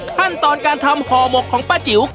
ขั้นตอนการทำห่อหมกของป้าจิ๋ว